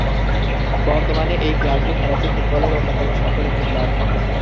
বর্তমান এই ক্লাবটি ফরাসি ফুটবলের অন্যতম সফল একটি ক্লাব।